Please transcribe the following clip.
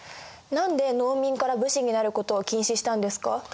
何で農民から武士になることを禁止したんですか？